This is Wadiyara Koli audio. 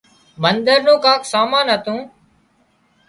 منۮر نُون ڪانڪ سامان هتون